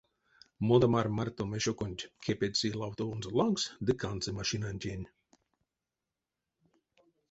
Модамарь марто мешоконть кепедьсы лавтовонзо лангс ды кандсы машинантень.